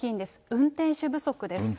運転手不足です。